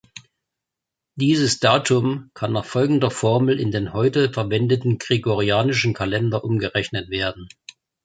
Dieses Datum kann nach folgender Formel in den heute verwendeten Gregorianischen Kalender umgerechnet werden.